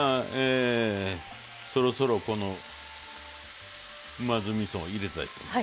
そろそろこのうま酢みそを入れたいと思います。